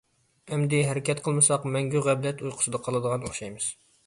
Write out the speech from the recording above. ئەمدى ھەرىكەت قىلمىساق، مەڭگۈ غەپلەت ئۇيقۇسىدا قالىدىغان ئوخشايمىز!